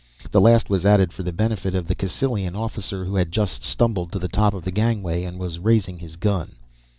This last was added for the benefit of the Cassylian officer who had just stumbled to the top of the gangway and was raising his gun.